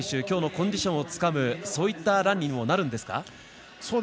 今日のコンディションをつかむそういったランにもなるんですか。